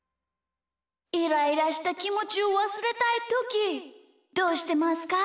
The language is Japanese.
イライラしたきもちをわすれたいときどうしてますか？